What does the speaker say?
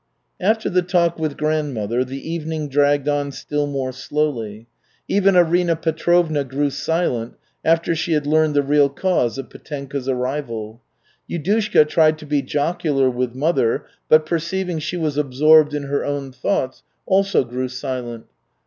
After the talk with grandmother the evening dragged on still more slowly. Even Arina Petrovna grew silent after she had learned the real cause of Petenka's arrival. Yudushka tried to be jocular with mother, but perceiving she was absorbed in her own thoughts, also grew silent.